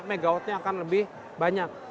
jadi kawasnya akan lebih banyak